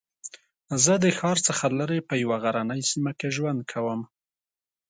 زه د ښار څخه لرې په یوه غرنۍ سېمه کې ژوند کوم